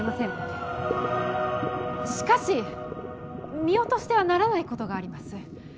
しかし見落としてはならないことがあります。